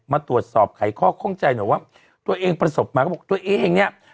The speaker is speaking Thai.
มาตรวจสอบไขข้อข้องใจหน่อยว่าตัวเองประสบมาก็บอกตัวเองเนี่ย